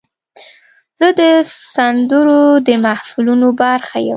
زه د سندرو د محفلونو برخه یم.